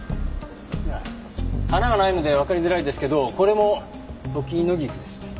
花がないのでわかりづらいですけどこれもトキノギクです。